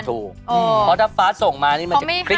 เพราะถ้าฟ้าส่งมานี่มันจะคลิกเลย